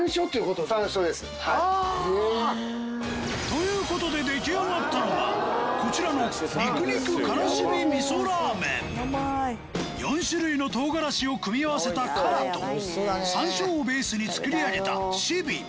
という事で出来上がったのがこちらの４種類の唐辛子を組み合わせたカラと山椒をベースに作り上げたシビ